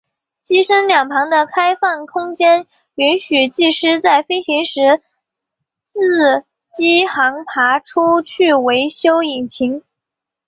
机身两旁的开放空间允许技师在飞行时自机舱爬出去维修引擎。